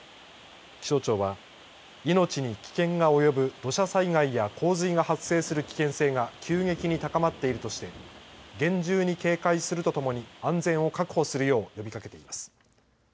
気象庁は命に危険が及ぶ土砂災害や洪水が発生する危険性が急激に高まっているとして厳重に警戒するとともに安全を確保するよう呼びかけています。